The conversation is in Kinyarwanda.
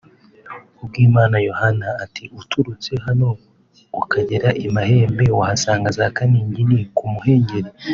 Kubwimana Yohani ati “Uturutse hano ukagera i Mahembe wahasanga za kaningini ku muhengeri